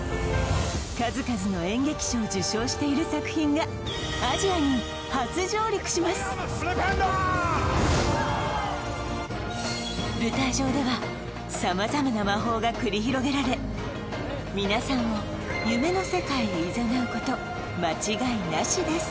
数々の演劇賞を受賞している作品がアジアに初上陸します繰り広げられ皆さんを夢の世界へいざなうこと間違いなしです